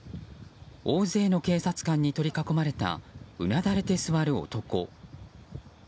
大勢の警察官に取り囲まれたうなだれて座る男。